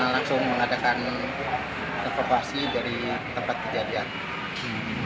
langsung mengadakan evakuasi dari tempat kejadian